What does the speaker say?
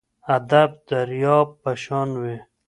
ادب درياب په شان وي.